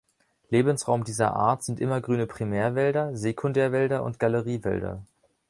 Lebensraum dieser Art sind immergrüne Primärwälder, Sekundärwälder und Galeriewälder.